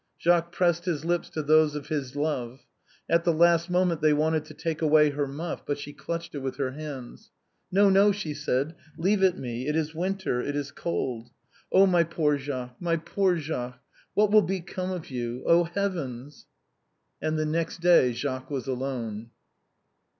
Jacques pressed his lips to those of his love. At the last moment they wanted to take away the muff, but she clutched it with her hands. " No, no," she said, " leave it to me ; it is winter, it is cold. Oh ! my poor Jacques ! my poor Jacques ! what will become of you ? Oh ! heavens !" And the next day Jacques was alone.